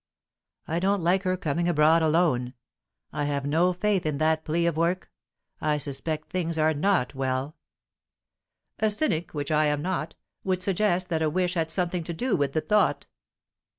"I don't like her coming abroad alone; I have no faith in that plea of work. I suspect things are not well." "A cynic which I am not would suggest that a wish had something to do with the thought."